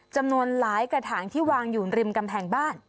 จำนวนหลายกระถางที่วางอยู่ริมกำแพงบ้าน